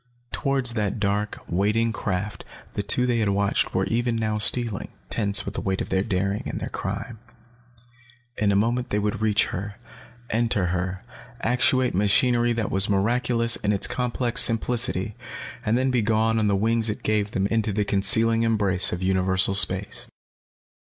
Towards that dark, waiting craft the two they had watched were even now stealing, tense with the weight of their daring and their crime. In a moment they would reach her, enter her, actuate machinery that was miraculous in its complex simplicity, and be gone then on the wings it gave them into the concealing embrace of universal space.